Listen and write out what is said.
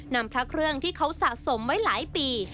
พระเครื่องที่เขาสะสมไว้หลายปี